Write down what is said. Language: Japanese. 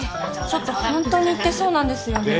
ちょっとホントに行ってそうなんですよね。